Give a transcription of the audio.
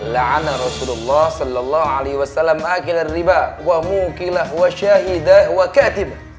la'ana rasulullah sallallahu alaihi wasallam akilal riba wa mu'kilah wa syahidah wa katibah